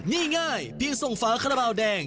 ง่ายเพียงส่งฝาขนาบราวแดง